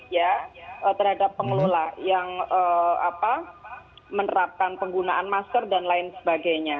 ya terhadap pengelola yang menerapkan penggunaan masker dan lain sebagainya